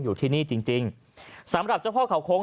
อยู่ที่นี่จริงจริงสำหรับเจ้าพ่อเขาโค้ง